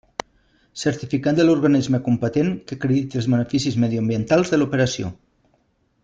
Certificat de l'organisme competent que acrediti els beneficis mediambientals de l'operació.